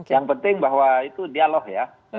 yang penting bahwa itu dialog ya